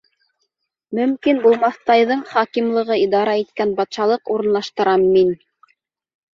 Мөмкин булмаҫтайҙың хакимлығы идара иткән батшалыҡ урынлаштырам мин.